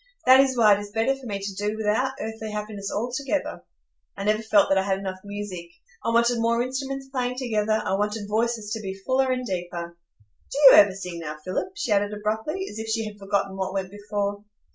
That is why it is better for me to do without earthly happiness altogether. I never felt that I had enough music,—I wanted more instruments playing together; I wanted voices to be fuller and deeper. Do you ever sing now, Philip?" she added abruptly, as if she had forgotten what went before.